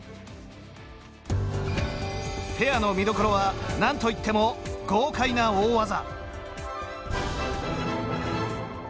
ペアの見どころはなんといっても、豪快な大技。